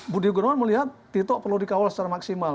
budi gunawan melihat tito perlu dikawal secara maksimal